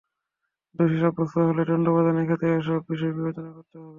দোষী সাব্যস্ত হলে দণ্ড প্রদানের ক্ষেত্রে এসব বিষয় বিবেচনা করতে হবে।